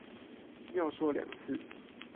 要說兩次